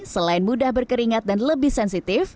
selain mudah berkeringat dan lebih sensitif